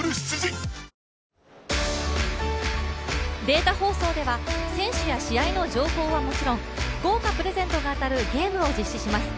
データ放送では選手や試合の情報はもちろん豪華プレゼントが当たるゲームを実施します。